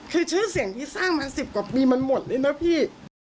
คือชื่อเสียงที่สร้างมา๑๐กว่าปีมันหมดเลยนะพี่